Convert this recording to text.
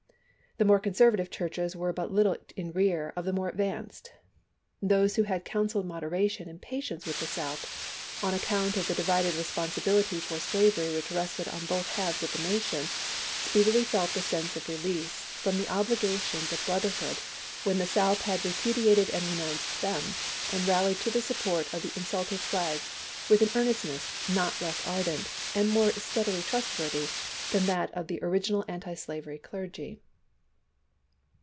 The more conservative Churches were but little in rear of the more advanced. Those who had counseled moderation and patience with the South, on account of the divided responsibility for slavery which rested on both halves of the nation, speedily felt the sense of release from the obligations of 314 LINCOLN AND THE CHURCHES 315 brotherhood when the South had repudiated and chap. xv. renounced them, and rallied to the support of the insulted flag with an earnestness not less ardent, and more steadily trustworthy, than that of the original antislavery clergy.